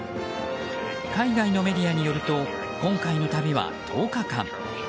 海外のメディアによると今回の旅は１０日間。